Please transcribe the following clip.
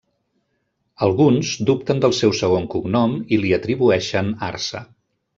Alguns dubten del seu segon cognom i li atribueixen Arça.